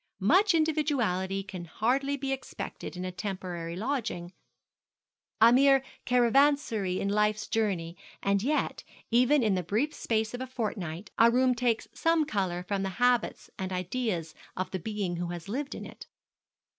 Much individuality can hardly be expected in a temporary lodging a mere caravansary in life's journey; and yet, even in the brief space of a fortnight, a room takes some colour from the habits and ideas of the being who has lived in it.